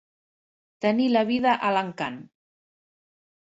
Tenir la vida a l'encant.